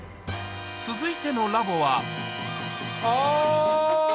続いてのラボはあぁ！